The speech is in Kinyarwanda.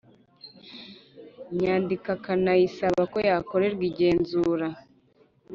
nyandiko akanayisaba ko yakorerwa igenzura